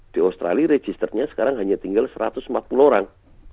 di australia registernya sekarang hanya tinggal satu ratus empat puluh orang